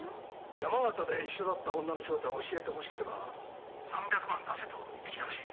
山形で一緒だった女の正体を教えてほしければ３００万出せと言ってきたらしい。